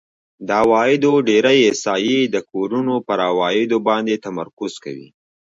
د عوایدو ډېری احصایې د کورونو په عوایدو باندې تمرکز کوي